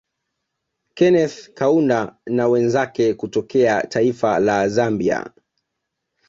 Keneth Kaunda na wenzake kutokea taifa La Zambia